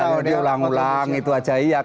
ya diulang ulang itu saja